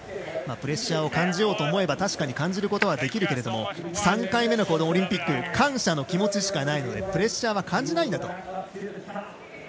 プレッシャーを感じようと思えば確かに感じることはできるけども３回目のオリンピック感謝の気持ちしかないのでプレッシャーは感じないんだと。